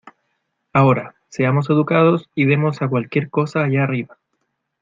Ahora, seamos educados y demos a cualquier cosa allá arriba...